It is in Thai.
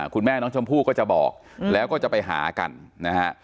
คุณแม่น้องชมพู่ก็จะบอกแล้วก็จะไปหากันนะฮะ